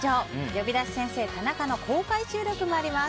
「呼び出し先生タナカ」の公開収録もあります。